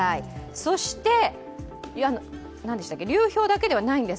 そして流氷だけではないんです。